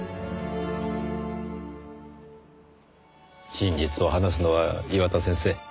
真実を話すのは岩田先生